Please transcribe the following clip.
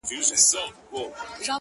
o داسي محراب غواړم ـ داسي محراب راکه ـ